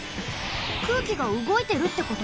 空気がうごいてるってこと？